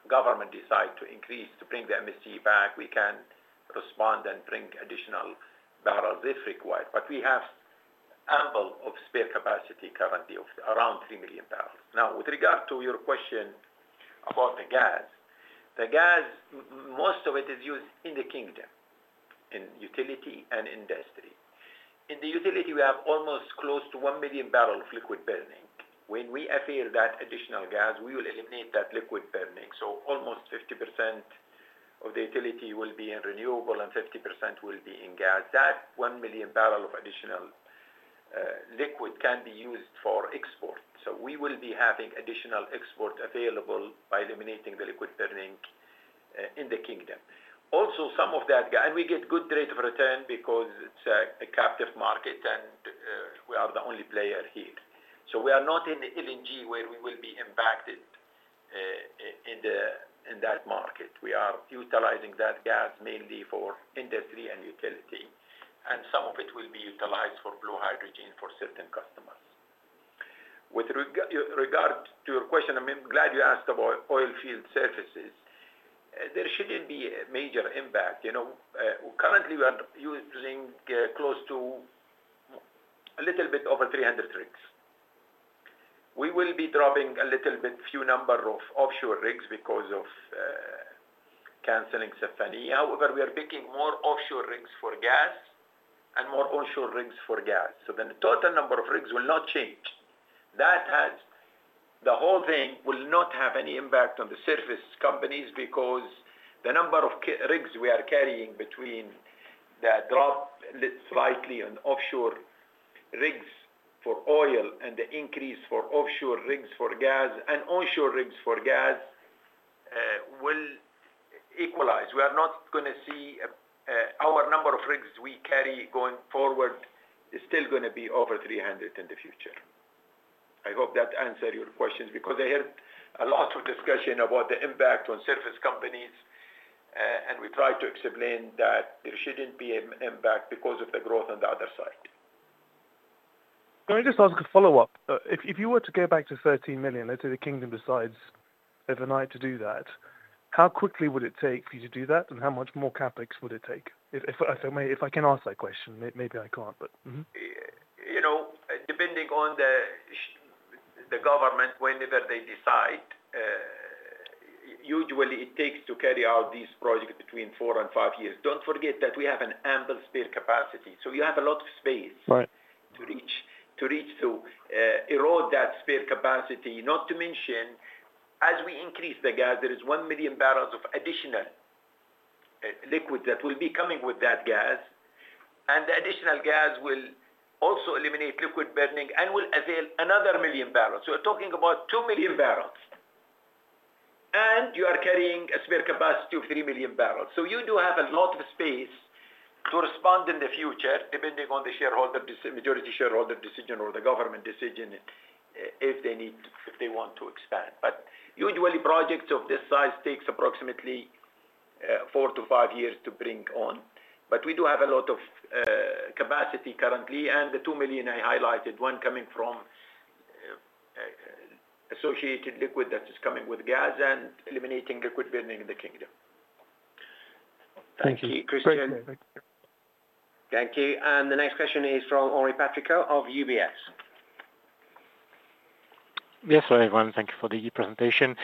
government decide to increase, to bring the MSC back, we can respond and bring additional barrels if required. But we have ample of spare capacity currently of around 3 million barrels. Now, with regard to your question about the gas, the gas, most of it is used in the kingdom, in utility and industry. In the utility, we have almost close to 1 million barrels of liquid burning. When we avail that additional gas, we will eliminate that liquid burning. So almost 50% of the utility will be in renewable and 50% will be in gas. That 1 million barrels of additional liquid can be used for export. So we will be having additional export available by eliminating the liquid burning in the kingdom. Also, some of that gas and we get good rate of return because it's a captive market, and we are the only player here. So we are not in the LNG, where we will be impacted in that market. We are utilizing that gas mainly for industry and utility, and some of it will be utilized for blue hydrogen for certain customers. With regard to your question, I'm glad you asked about oil field services. There shouldn't be a major impact, you know. Currently, we are using close to a little bit over 300 rigs. We will be dropping a little bit, few number of offshore rigs because of canceling Safaniya. However, we are picking more offshore rigs for gas and more onshore rigs for gas. So the total number of rigs will not change. The whole thing will not have any impact on the service companies because the number of rigs we are carrying between the drop will be slightly on offshore rigs for oil and the increase for offshore rigs for gas and onshore rigs for gas will equalize. We are not going to see... Our number of rigs we carry going forward is still going to be over 300 in the future. I hope that answered your questions, because I heard a lot of discussion about the impact on service companies, and we tried to explain that there shouldn't be an impact because of the growth on the other side. Can I just ask a follow-up? If you were to go back to 13 million, let's say the kingdom decides overnight to do that, how quickly would it take for you to do that, and how much more CapEx would it take? If I can ask that question, maybe I can't, but mm-hmm. You know, depending on the government, whenever they decide, usually it takes to carry out these projects between 4 and 5 years. Don't forget that we have an ample spare capacity, so we have a lot of space- Right... to reach to erode that spare capacity. Not to mention, as we increase the gas, there is 1 million barrels of additional liquid that will be coming with that gas, and the additional gas will also eliminate liquid burning and will avail another 1 million barrels. So we're talking about 2 million barrels, and you are carrying a spare capacity of 3 million barrels. So you do have a lot of space to respond in the future, depending on the majority shareholder decision or the government decision, if they need, if they want to expand. But usually, projects of this size takes approximately 4-5 years to bring on. But we do have a lot of capacity currently, and the 2 million I highlighted, one coming from associated liquid that is coming with gas and eliminating liquid burning in the kingdom. Thank you. Thank you, Christian. Thank you. Thank you. And the next question is from Henri Patricot of UBS. Yes. Hello, everyone. Thank you for the presentation.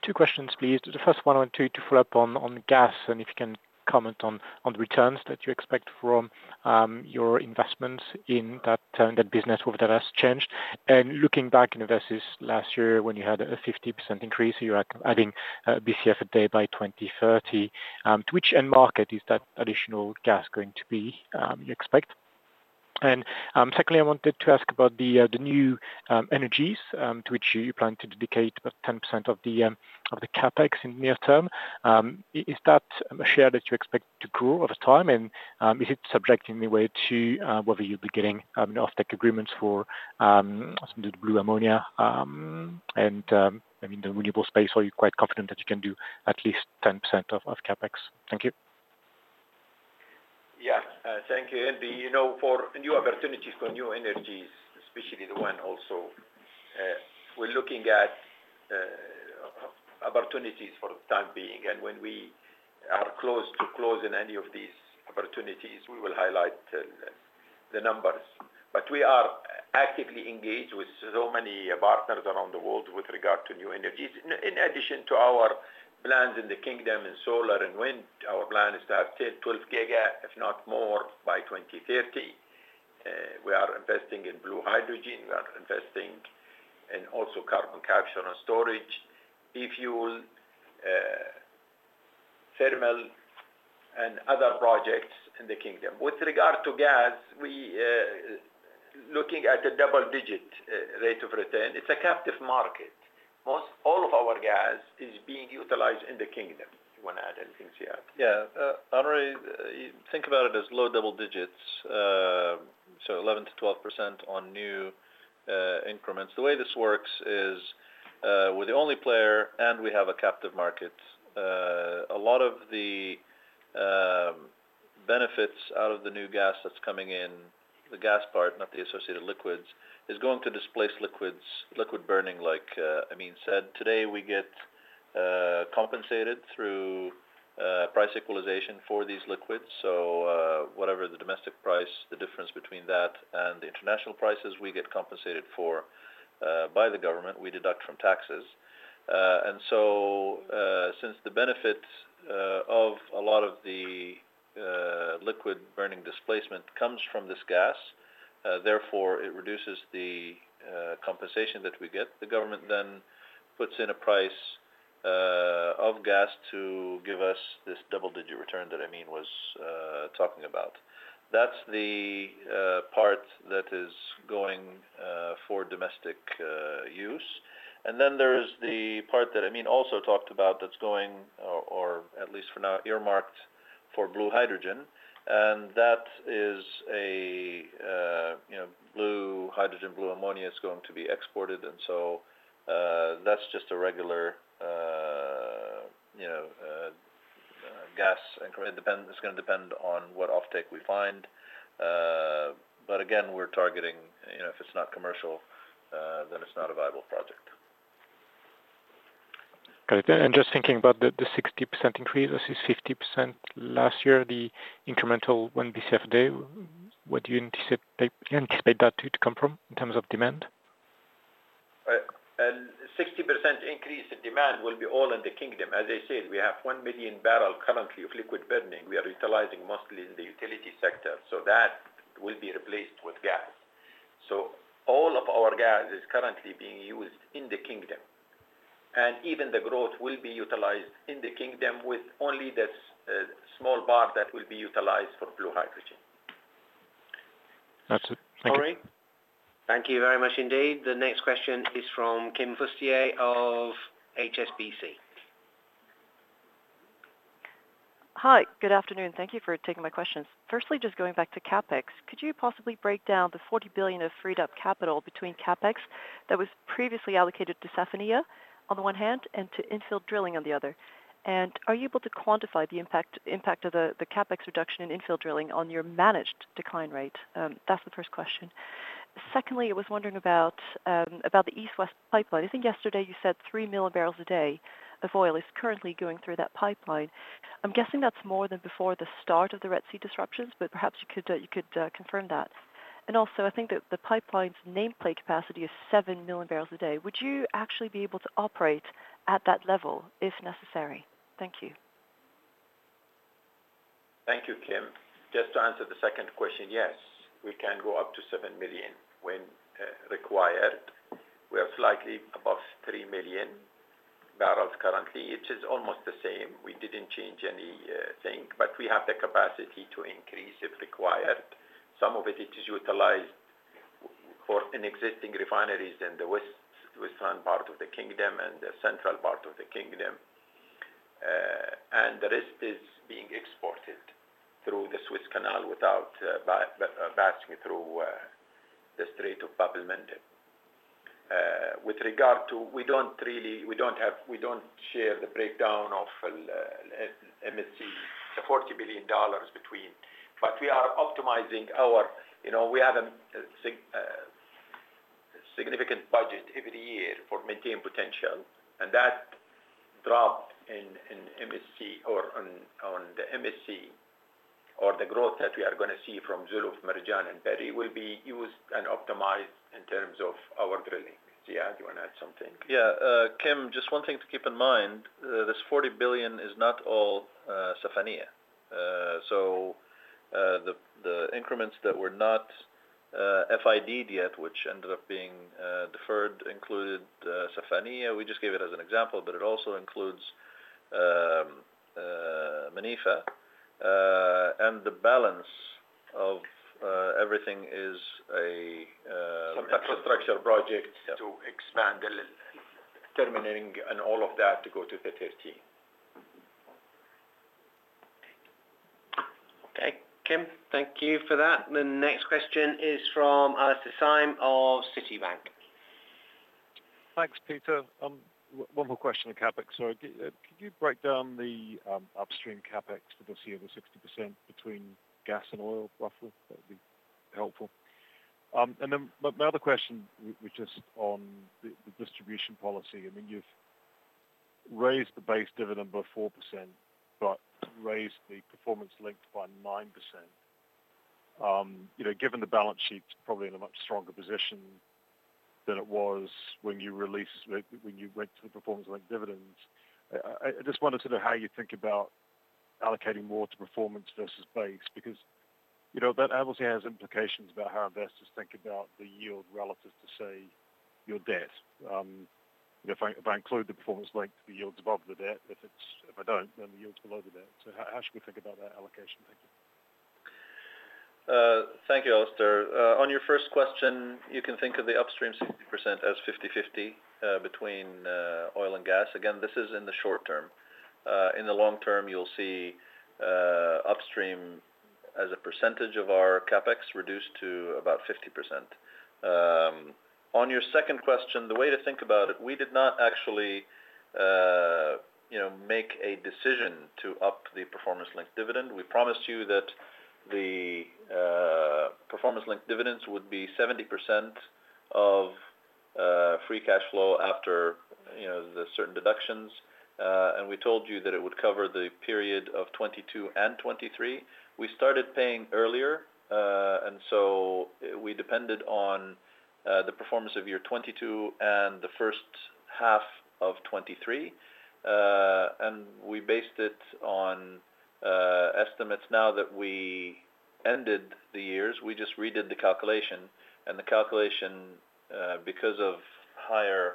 Two questions, please. The first one, I want to follow up on, on gas, and if you can comment on, on the returns that you expect from, your investments in that, that business, whether that has changed. And looking back, you know, versus last year, when you had a 50% increase, so you are adding, BCF a day by 2030, to which end market is that additional gas going to be, you expect? And, secondly, I wanted to ask about the, the new, energies, to which you plan to dedicate about 10% of the, of the CapEx in near term. Is that a share that you expect to grow over time, and is it subject in any way to whether you'll be getting offtake agreements for the blue ammonia and I mean the renewable space, or are you quite confident that you can do at least 10% of CapEx? Thank you. Yeah. Thank you. And, you know, for new opportunities, for new energies, especially the wind also, we're looking at opportunities for the time being, and when we are close to closing any of these opportunities, we will highlight the numbers. But we are actively engaged with so many partners around the world with regard to new energies. In addition to our plans in the kingdom, in solar and wind, our plan is to have 12 giga, if not more, by 2030.... we are investing in blue hydrogen, we are investing in also carbon capture and storage, e-fuel, thermal and other projects in the kingdom. With regard to gas, we looking at a double-digit rate of return, it's a captive market. Most all of our gas is being utilized in the kingdom. You want to add anything, Ziad? Yeah, I would think about it as low double digits, so 11%-12% on new increments. The way this works is, we're the only player, and we have a captive market. A lot of the benefits out of the new gas that's coming in, the gas part, not the associated liquids, is going to displace liquids, liquid burning, like Amin said. Today, we get compensated through price equalization for these liquids. So, whatever the domestic price, the difference between that and the international prices, we get compensated for by the government, we deduct from taxes. And so, since the benefits of a lot of the liquid burning displacement comes from this gas, therefore, it reduces the compensation that we get. The government then puts in a price of gas to give us this double-digit return that Amin was talking about. That's the part that is going for domestic use. And then there is the part that Amin also talked about that's going, or at least for now, earmarked for blue hydrogen, and that is a you know, blue hydrogen, blue ammonia, is going to be exported, and so that's just a regular you know gas increment. It's gonna depend on what offtake we find. But again, we're targeting you know, if it's not commercial then it's not a viable project. Got it. And just thinking about the 60% increase, this is 50% last year, the incremental one BCF a day, where do you anticipate that to come from in terms of demand? A 60% increase in demand will be all in the kingdom. As I said, we have 1 million barrels currently of liquid burning. We are utilizing mostly in the utility sector, so that will be replaced with gas. So all of our gas is currently being used in the kingdom, and even the growth will be utilized in the kingdom with only this small part that will be utilized for blue hydrogen. That's it. Thank you. Sorry. Thank you very much indeed. The next question is from Kim Fustier of HSBC. Hi, good afternoon. Thank you for taking my questions. Firstly, just going back to CapEx, could you possibly break down the $40 billion of freed up capital between CapEx that was previously allocated to Safaniya, on the one hand, and to infill drilling on the other? And are you able to quantify the impact of the CapEx reduction in infill drilling on your managed decline rate? That's the first question. Secondly, I was wondering about the East-West Pipeline. I think yesterday you said 3 million barrels a day of oil is currently going through that pipeline. I'm guessing that's more than before the start of the Red Sea disruptions, but perhaps you could confirm that. And also, I think that the pipeline's nameplate capacity is 7 million barrels a day. Would you actually be able to operate at that level if necessary? Thank you. Thank you, Kim. Just to answer the second question, yes, we can go up to 7 million when required. We are slightly above 3 million barrels currently, which is almost the same. We didn't change any thing, but we have the capacity to increase if required. Some of it, it is utilized for in existing refineries in the western part of the kingdom and the central part of the kingdom. And the rest is being exported through the Suez Canal without passing through the Strait of Bab el-Mandeb. With regard to... We don't really, we don't have, we don't share the breakdown of MSC, the $40 billion between, but we are optimizing our... You know, we have a significant budget every year for maintaining potential, and that drop in MSC or on the MSC, or the growth that we are going to see from Zuluf, Marjan, and Berri, will be used and optimized in terms of our drilling. Ziad, you want to add something? Yeah, Kim, just one thing to keep in mind, this $40 billion is not all Safaniya. So, the increments that were not FID-ed yet, which ended up being deferred, included Safaniya. We just gave it as an example, but it also includes Manifa, and the balance of everything is a- Infrastructure project to expand the terminating and all of that to go to the 30. Okay, Kim, thank you for that. The next question is from Alastair Syme of Citibank. Thanks, Peter. One more question on CapEx. So could you break down the upstream CapEx that we'll see over 60% between gas and oil, roughly? That would be helpful. And then my other question, which is on the distribution policy, I mean, you've raised the base dividend by 4%, but raised the performance-linked by 9%. You know, given the balance sheet's probably in a much stronger position than it was when you released, when you went to the performance-linked dividends. I just wanted to know how you think about allocating more to performance versus base, because, you know, that obviously has implications about how investors think about the yield relative to, say, your debt. If I include the performance link, the yield's above the debt. If I don't, then the yield's below the debt. So how should we think about that allocation? Thank you. Thank you, Alastair. On your first question, you can think of the upstream 60% as 50/50 between oil and gas. Again, this is in the short term. In the long term, you'll see upstream as a percentage of our CapEx reduced to about 50%. On your second question, the way to think about it, we did not actually, you know, make a decision to up the performance-linked dividend. We promised you that the performance-linked dividends would be 70% of free cash flow after, you know, the certain deductions. And we told you that it would cover the period of 2022 and 2023. We started paying earlier, and so we depended on the performance of year 2022 and the first half of 2023. We based it on estimates now that we ended the year. We just redid the calculation, and the calculation, because of higher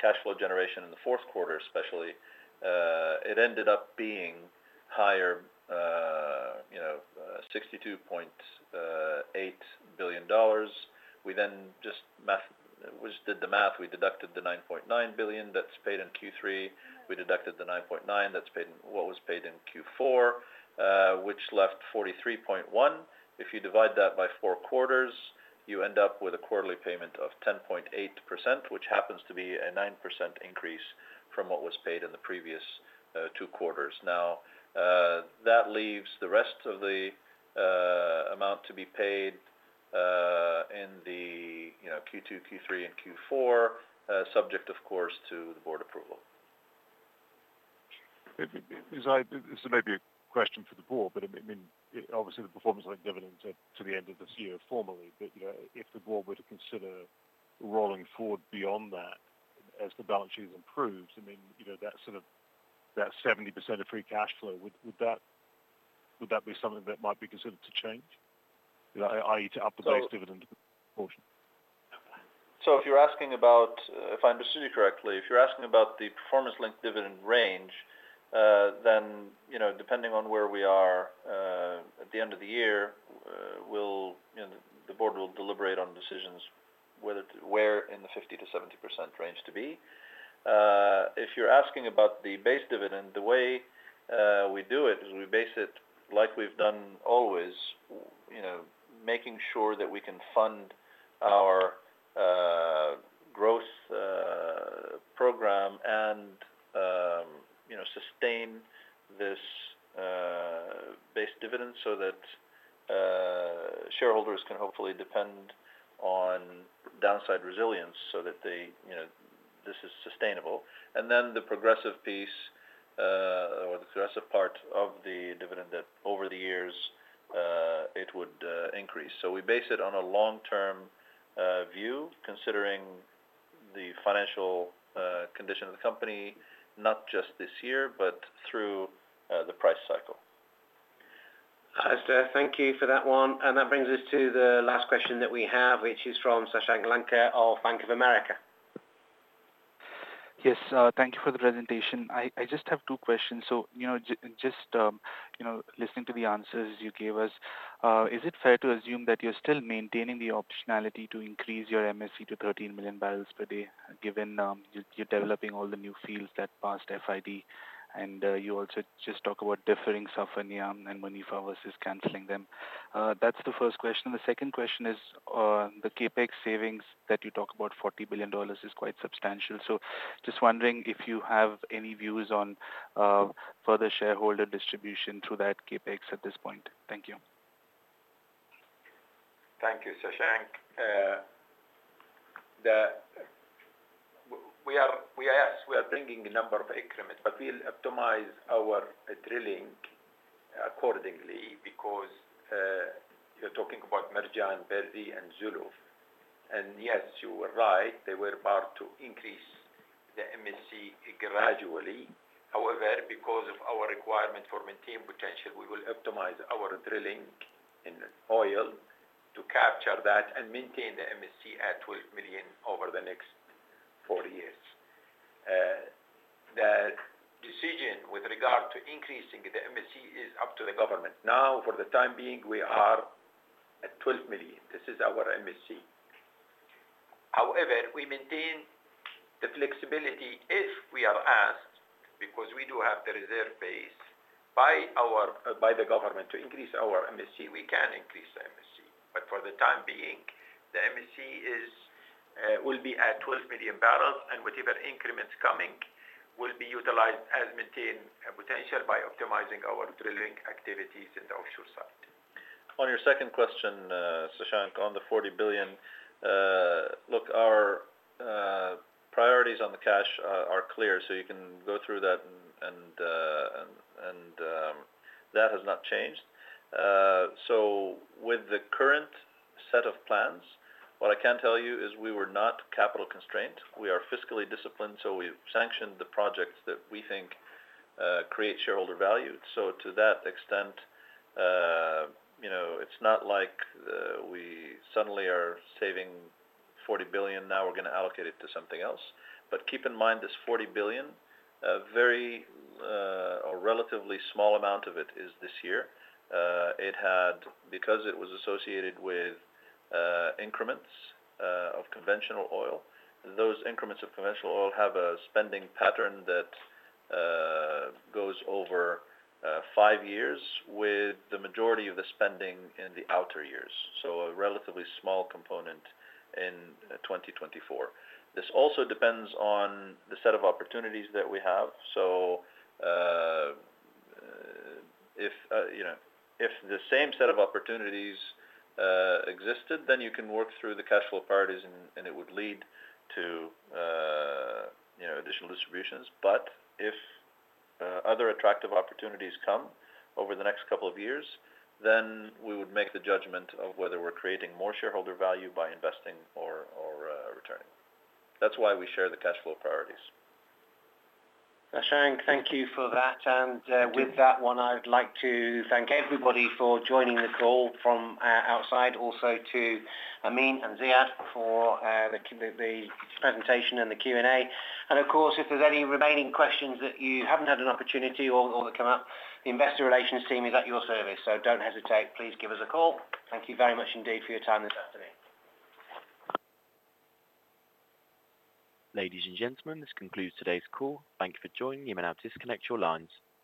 cash flow generation in the fourth quarter especially, it ended up being higher, you know, $62.8 billion. We then just did the math. We deducted the $9.9 billion that's paid in Q3. We deducted the $9.9 billion that's paid in, what was paid in Q4, which left $43.1 billion. If you divide that by 4 quarters, you end up with a quarterly payment of 10.8%, which happens to be a 9% increase from what was paid in the previous two quarters. Now, that leaves the rest of the amount to be paid in the, you know, Q2, Q3, and Q4, subject, of course, to the board approval. So this may be a question for the board, but, I mean, obviously, the performance-linked dividends are to the end of this year, formally. But, you know, if the board were to consider rolling forward beyond that, as the balance sheet improves, I mean, you know, that sort of, that 70% of free cash flow, would that be something that might be considered to change? I to up the base dividend portion. So if you're asking about, if I understood you correctly, if you're asking about the performance-linked dividend range, then, you know, depending on where we are, at the end of the year, we'll, you know, the board will deliberate on decisions whether to—where in the 50%-70% range to be. If you're asking about the base dividend, the way, we do it is we base it like we've done always, you know, making sure that we can fund our, growth, program and, you know, sustain this, base dividend so that, shareholders can hopefully depend on downside resilience so that they, you know, this is sustainable. And then the progressive piece, or the progressive part of the dividend that over the years, it would, increase. We base it on a long-term view, considering the financial condition of the company, not just this year, but through the price cycle. Alastair, thank you for that one, and that brings us to the last question that we have, which is from Shashank Lanka of Bank of America. Yes, thank you for the presentation. I just have two questions. So, you know, just, you know, listening to the answers you gave us, is it fair to assume that you're still maintaining the optionality to increase your MSC to 13 million barrels per day, given, you, you're developing all the new fields that passed FID, and, you also just talk about deferring Safaniya and Manifa versus canceling them? That's the first question. The second question is, the CapEx savings that you talk about, $40 billion, is quite substantial. So just wondering if you have any views on, further shareholder distribution through that CapEx at this point. Thank you. Thank you, Shashank. We are, yes, we are bringing a number of increments, but we'll optimize our drilling accordingly because you're talking about Marjan, Berri, and Zuluf. And yes, you are right, they were about to increase the MSC gradually. However, because of our requirement for maintaining potential, we will optimize our drilling in oil to capture that and maintain the MSC at 12 million over the next four years. The decision with regard to increasing the MSC is up to the government. Now, for the time being, we are at 12 million. This is our MSC. However, we maintain the flexibility if we are asked, because we do have the reserve base by the government to increase our MSC, we can increase the MSC. But for the time being, the MSC is, will be at 12 million barrels, and whatever increments coming will be utilized as maintained potential by optimizing our drilling activities in the offshore site. On your second question, Shashank, on the $40 billion, look, our priorities on the cash are clear, so you can go through that and... That has not changed. So with the current set of plans, what I can tell you is we were not capital constrained. We are fiscally disciplined, so we've sanctioned the projects that we think create shareholder value. So to that extent, you know, it's not like we suddenly are saving $40 billion, now we're gonna allocate it to something else. But keep in mind, this $40 billion, a very, a relatively small amount of it is this year. Because it was associated with increments of conventional oil, those increments of conventional oil have a spending pattern that goes over five years, with the majority of the spending in the outer years, so a relatively small component in 2024. This also depends on the set of opportunities that we have. So, if you know, if the same set of opportunities existed, then you can work through the cash flow priorities and it would lead to, you know, additional distributions. But if other attractive opportunities come over the next couple of years, then we would make the judgment of whether we're creating more shareholder value by investing or returning. That's why we share the cash flow priorities. Shashank, thank you for that. With that one, I would like to thank everybody for joining this call from outside, also to Amin and Ziad for the presentation and the Q&A. Of course, if there's any remaining questions that you haven't had an opportunity or that come up, the investor relations team is at your service, so don't hesitate. Please give us a call. Thank you very much indeed for your time this afternoon. Ladies and gentlemen, this concludes today's call. Thank you for joining. You may now disconnect your lines.